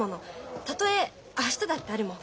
たとえ明日だってあるもん。